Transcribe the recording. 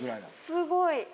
すごい！